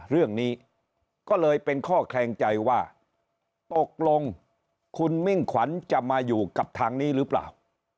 เรื่องนี้ก็เลยเป็นข้อแคลงใจว่าตกลงคุณมิ่งขวัญจะมาอยู่กับทางนี้หรือเปล่า